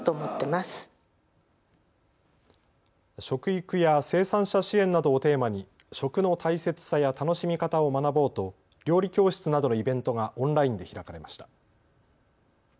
食育や生産者支援などをテーマに食の大切さや楽しみ方を学ぼうと料理教室などのイベントがオンラインで開かれました。